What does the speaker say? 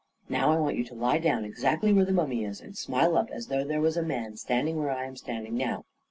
Now I want you to lie down ex actly where the mummy is, and smile up as though there was a man standing where I am standing now.